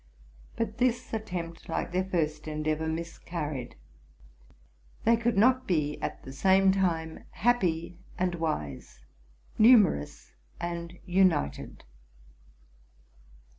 But this attempt, like their first endeavor, miscarried. They could not be at the same time happy and wise, numerous and united.